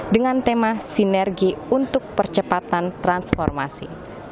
dengan tema sinergi untuk percepatan transformasi